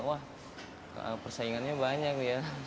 wah persaingannya banyak ya